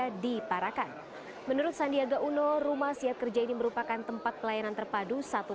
warga di parakan menurut sandiaga uno rumah siap kerja ini merupakan tempat pelayanan terpadu satu